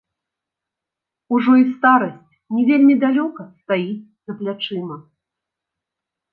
Ужо і старасць не вельмі далёка стаіць за плячыма.